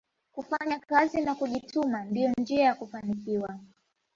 kufanya kazi na kujituma ndiyo njia ya kufanikiwa